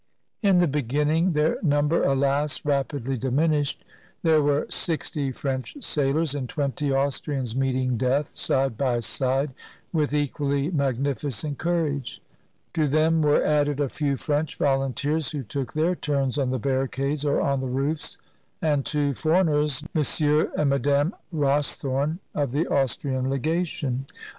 In the beginning — their number, alas, rapidly dimin ished — there were sixty French sailors and twenty Austrians meeting death, side by side, with equally magnificent courage. To them were added a few French volunteers, who took their turns on the barricades or on the roofs, and two foreigners, M. and Mme. Ros thorne, of the Austrian Legation.